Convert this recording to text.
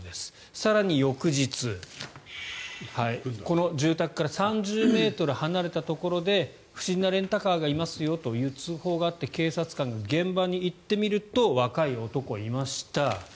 更に翌日、この住宅から３０ｍ離れたところで不審なレンタカーがいますよという通報があって警察官が現場に行ってみると若い男がいました。